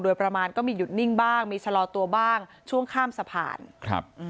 โดยประมาณก็มีหยุดนิ่งบ้างมีชะลอตัวบ้างช่วงข้ามสะพานครับอืม